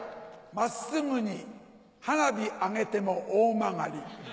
真っすぐに花火上げてもオオマガリ。